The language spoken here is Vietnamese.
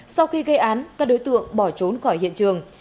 sau khi gây án các đối tượng bỏ trốn khỏi hiện trường